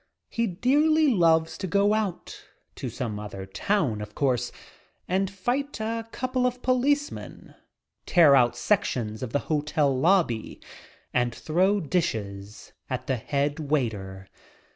He dearly loves to go out — to some other town, of course — and fight a couple of policemen, tear out .. a a DOPE! sections of the hotel lobby and throw dishes at the head waiter.